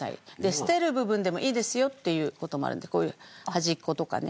捨てる部分でもいいですよっていう事もあるんでこういう端っことかね。